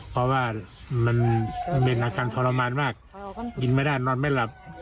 เพราะว่ามันเป็นอาการทรมานมากกินไม่ได้นอนไม่หลับ